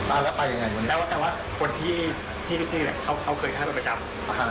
อ่าแล้วไปยังไงด้วยนี่ดังนั้นว่าคนที่ที่นี่นี่แหละเค้าเคยเข้าไปประจำ